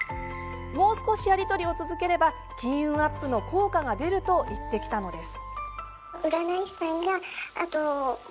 もう少しやり取りを続ければ金運アップの効果が出ると言ってきたのです。